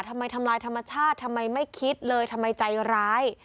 ทำลายธรรมชาติทำไมไม่คิดเลยทำไมใจร้าย